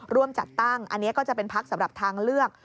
ร่วมจัดตั้งอันนี้ก็จะเป็นพักสำหรับทางเลือก